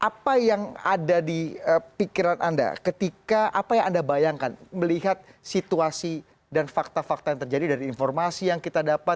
apa yang ada di pikiran anda ketika apa yang anda bayangkan melihat situasi dan fakta fakta yang terjadi dari informasi yang kita dapat